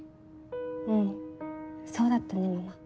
うんそうだったねママ。